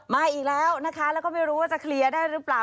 อีกแล้วนะคะแล้วก็ไม่รู้ว่าจะเคลียร์ได้หรือเปล่า